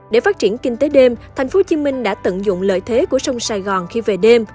để phát triển kinh tế đêm tp hcm đã tận dụng lợi thế của sông sài gòn khi về đêm